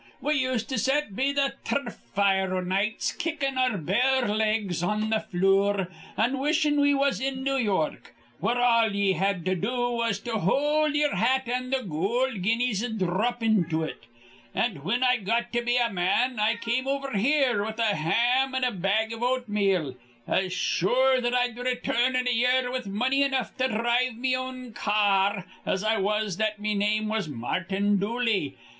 We used to set be th' tur rf fire o' nights, kickin' our bare legs on th' flure an' wishin' we was in New York, where all ye had to do was to hold ye'er hat an' th' goold guineas'd dhrop into it. An' whin I got to be a man, I come over here with a ham and a bag iv oatmeal, as sure that I'd return in a year with money enough to dhrive me own ca ar as I was that me name was Martin Dooley.